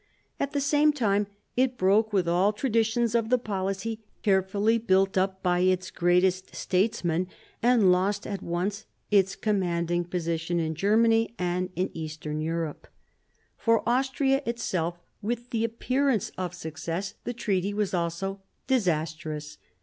At the same time it broke with all the traditions of the policy carefully built up by its greatest statesman, and lost at once its commanding position in Germany, in France, and in Eastern Europe. For Austria itself, with the appearance of success, the treaty was also disastrous.